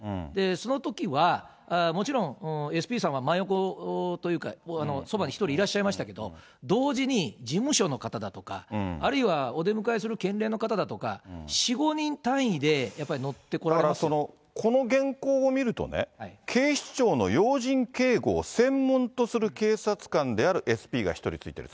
そのときはもちろん、ＳＰさんは真横というか、そばに１人いらっしゃいましたけれども、同時に事務所の方だとか、あるいはお出迎えする県連の方だとか、４、５人単位でやっぱり乗この原稿を見るとね、警視庁の要人警護を専門とする警察官であるＳＰが１人ついている。